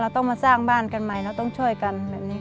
ต้องมาสร้างบ้านกันใหม่เราต้องช่วยกันแบบนี้